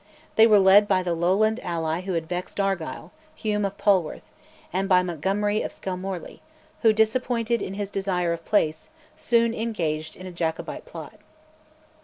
They were led by the Lowland ally who had vexed Argyll, Hume of Polwarth; and by Montgomery of Skelmorley, who, disappointed in his desire of place, soon engaged in a Jacobite plot.